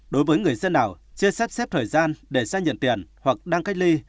đối với người dân nào chưa sắp xếp thời gian để ra nhận tiền hoặc đang cách ly